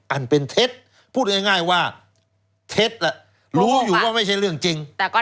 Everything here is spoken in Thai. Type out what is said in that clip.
อันเป็นเท็จพูดง่ายว่าเท็จรู้อยู่ว่าไม่ใช่เรื่องจริง